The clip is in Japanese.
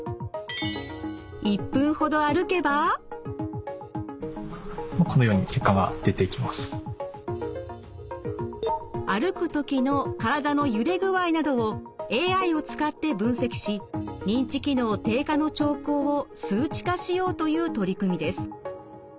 歩く時の体の揺れ具合などをＡＩを使って分析し認知機能低下の兆候を数値化しようという取り組みです。